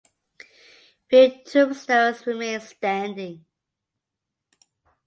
Few tombstones remain standing.